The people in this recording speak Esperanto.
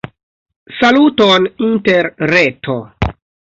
Saluton interreto!